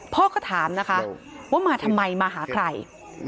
พ่อก็ถามนะคะว่ามาทำไมมาหาใคร